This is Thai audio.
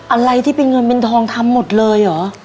อะไรที่เป็นเงินเป็นทองทำหมดเลยเหรอ